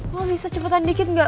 lo bisa cepetan dikit ga